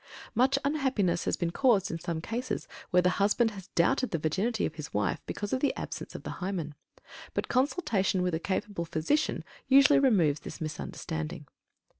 Much unhappiness has been caused in some cases where the husband has doubted the virginity of his wife because of the absence of the Hymen, but consultation with a capable physician usually removes this misunderstanding.